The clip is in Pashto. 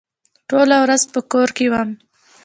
ټوله ورځ په کور کې وم.